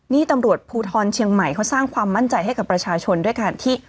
นี่ตำรวจภูทรเชียงใหม่เขาสร้างความมั่นใจให้กับประชาชนด้วยการที่